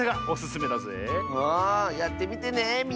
あやってみてねみんな。